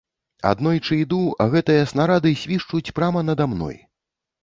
Аднойчы іду, а гэтыя снарады свішчуць прама нада мной.